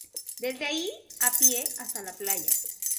Desde allí a pie hasta la playa.